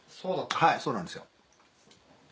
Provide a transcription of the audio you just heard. はいそうなんですよ。